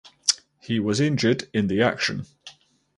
He was injured in the action.